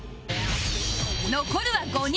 残るは５人